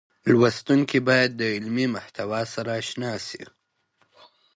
لوستونکي بايد د علمي محتوا سره اشنا شي.